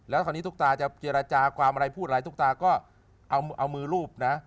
แล้วคราวนี้ตุ๊กตาจะเจรจาความอะไรพูดอะไรตุ๊กตาก็เอามือรูปนะ